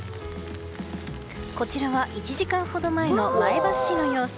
こちらは１時間ほど前の前橋市の様子。